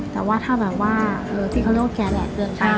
แต่ว่าถ้าแบบว่าเวลาที่เขาโลกแก่แหละเกินไป